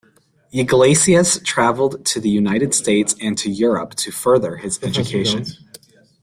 Yglesias traveled to the United States and to Europe to further his education.